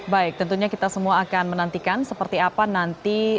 baik tentunya kita semua akan menantikan seperti apa nanti